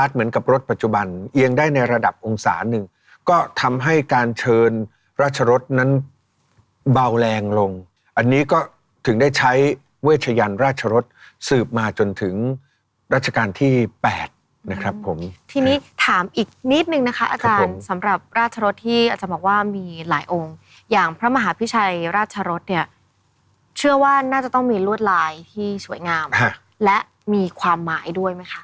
เหมือนกับรถปัจจุบันเอียงได้ในระดับองศาหนึ่งก็ทำให้การเชิญราชรสนั้นเบาแรงลงอันนี้ก็ถึงได้ใช้เวชยันราชรสสืบมาจนถึงรัชกาลที่แปดนะครับผมทีนี้ถามอีกนิดนึงนะคะอาจารย์สำหรับราชรสที่อาจารย์บอกว่ามีหลายองค์อย่างพระมหาพิชัยราชรสเนี่ยเชื่อว่าน่าจะต้องมีลวดลายที่สวยงามและมีความหมายด้วยไหมคะ